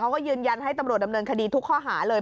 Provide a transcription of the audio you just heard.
เขาก็ยืนยันให้ตำรวจดำเนินคดีทุกข้อหาเลย